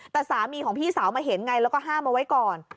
แต่สามีของพี่สาวมาเห็นไงแล้วก็ห้ามเอาไว้ก่อน